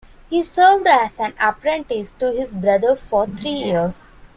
He served as an apprentice to his brother for three years.